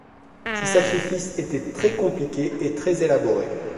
Ces sacrifices étaient très compliqués et très élaborés.